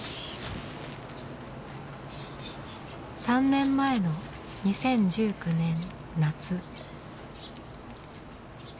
３年前の２０１９年夏。